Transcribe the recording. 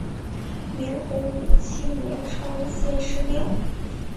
明洪武七年称先师庙。